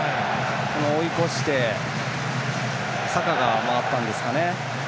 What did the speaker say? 追い越してサカがもらったんですかね。